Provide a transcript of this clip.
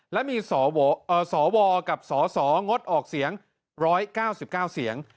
และมีสวกับสสงดออกเสียง๑๙๙เสียง